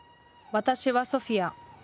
私はソフィヤ。